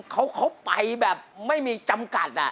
เขาไปแบบไม่มีจำกัด